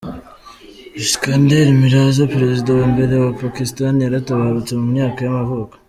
Iskander Mirza, perezida wa mbere wa Pakistan yaratabarutse ku myaka y’amavuko.